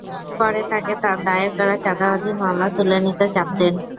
পরে তাঁকে তাঁর দায়ের করা চাঁদাবাজির মামলা তুলে নিতে চাপ দেন।